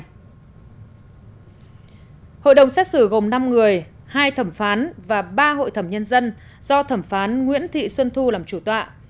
hội đồng xét xử gồm năm người hai thẩm phán và ba hội thẩm nhân dân do thẩm phán nguyễn thị xuân thu làm chủ tọa